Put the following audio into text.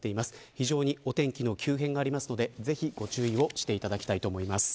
非常にお天気の急変があるのでぜひご注意していただきたいと思います。